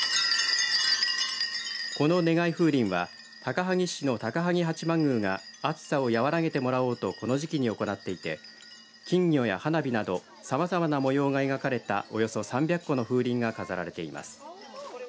この願い風鈴は高萩市の高萩八幡宮が暑さを和らげてもらおうとこの時期に行っていて金魚や花火などさまざまな模様が描かれたおよそ３００個の風鈴が飾られています。